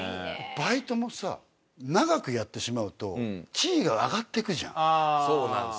バイトもさ長くやってしまうと地位が上がっていくじゃんあそうなんです